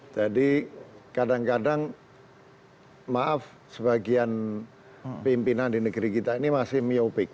jadi kadang kadang maaf sebagian pimpinan di negeri kita ini masih myopic ya